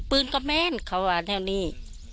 เปื้นก็แม่นเขาว่าเท่านี้